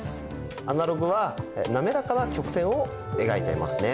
アナログは滑らかな曲線を描いていますね。